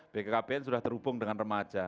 bkkbn sudah terhubung dengan remaja